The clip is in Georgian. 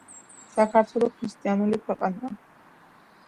საქართველო ქრისტიანული ქვეყანაა